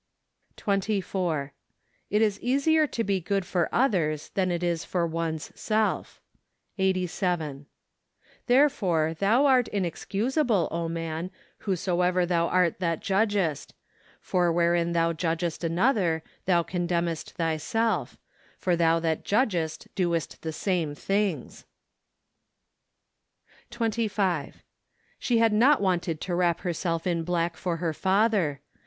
106 SEPTEMBER. 24. It is easier to be good for others than it is for one's self. Eighty Seven. " Therefore thou art ineocc.usahle, 0, man, t cho soever thou art that judgest: for icherein thou judgest another, thou condemnest thyself; for thou that judgest doest the same things 25. She had not wanted to wrap her¬ self in black for her father.